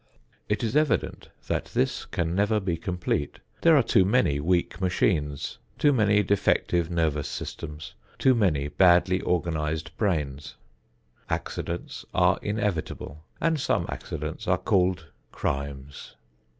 It is evident that this can never be complete. There are too many weak machines, too many defective nervous systems, too many badly organized brains. Accidents are inevitable, and some accidents are called "crimes."